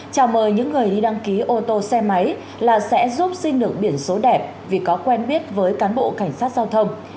chào mời những người đi đăng ký ô tô xe máy là sẽ giúp xin được biển số đẹp vì có quen biết với cán bộ cảnh sát giao thông